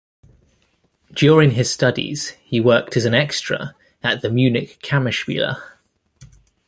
During his studies, he worked as an extra at the Munich Kammerspiele.